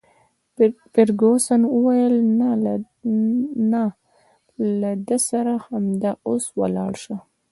فرګوسن وویل: نه، له ده سره همدا اوس ولاړه شه.